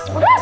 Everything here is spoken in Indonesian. kau dulu ya